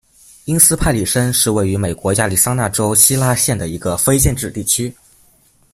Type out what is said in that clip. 因斯派里申是位于美国亚利桑那州希拉县的一个非建制地区。